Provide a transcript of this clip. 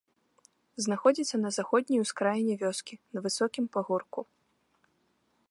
Знаходзіцца на заходняй ускраіне вёскі, на высокім пагорку.